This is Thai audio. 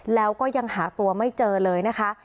แล้วก็ยังหาตัวไม่เจอเลยนะคะ